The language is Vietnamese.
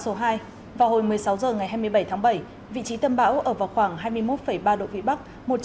khi cập nhật về cân bão số hai vào hồi một mươi sáu h ngày hai mươi bảy tháng bảy vị trí tâm bão ở vào khoảng hai mươi một ba độ vĩ bắc